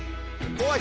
怖い！